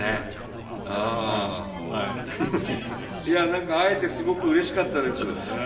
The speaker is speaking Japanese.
いや会えてすごくうれしかったです。